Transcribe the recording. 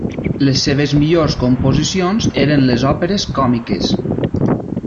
Les seves millors composicions eren les òperes còmiques.